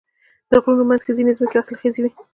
د غرونو منځ کې ځینې ځمکې حاصلخیزې وي.